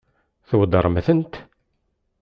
Tweddṛem-tent?